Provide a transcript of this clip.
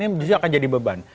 ini akan jadi beban